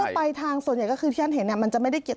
เรื่องปลายทางส่วนใหญ่ก็คือที่ฮัทเห็นมันจะไม่ได้เกี่ยว